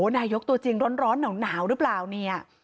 นายกตัวจริงร้อนหนาวหรือเปล่าเนี่ย